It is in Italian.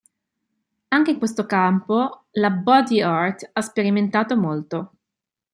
Anche in questo campo la body art ha sperimentato molto.